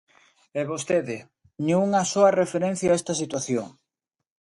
E vostede, nin unha soa referencia a esta situación.